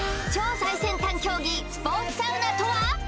超最先端競技スポーツサウナとは！？